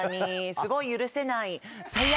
すごい許せない。